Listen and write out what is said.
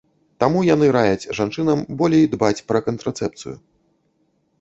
Таму яны раяць жанчынам болей дбаць пра кантрацэпцыю.